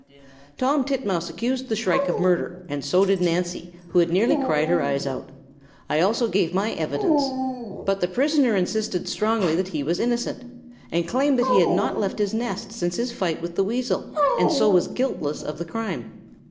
"Tom Titmouse accused the shrike of murder, and so did Nancy, who had nearly cried her eyes out. I also gave my evidence. But the prisoner insisted strongly that he was innocent, and claimed he had not left his nest since his fight with the weasel, and so was guiltless of the crime.